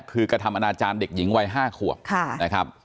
คือกระทำอนาจารย์เด็กหญิงวัย๕ขวบนะครับ